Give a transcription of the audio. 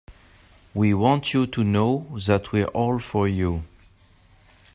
We want you to know that we're all for you.